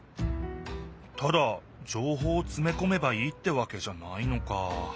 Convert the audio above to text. ただじょうほうをつめこめばいいってわけじゃないのか。